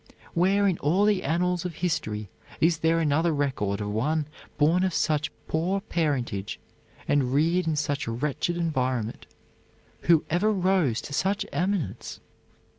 Where in all the annals of history is there another record of one born of such poor parentage and reared in such a wretched environment, who ever rose to such eminence?